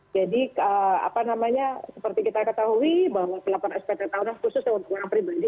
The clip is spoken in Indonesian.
jadi seperti kita ketahui bahwa pelaporan spt tahunan khusus untuk orang pribadi